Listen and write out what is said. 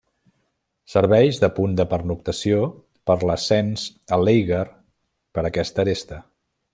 Serveix de punt de pernoctació per l'ascens a l'Eiger per aquesta aresta.